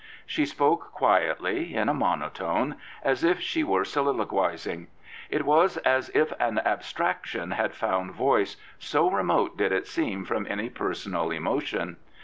She spoke quietly in a monotone, as if she were soliloquising. It was as if an abstraction had found voice, so remote did it seem from any personal emotion.